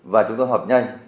và chúng tôi họp nhanh